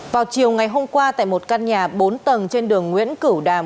vào chiều ngày hôm qua tại một căn nhà bốn tầng trên đường nguyễn cửu đàm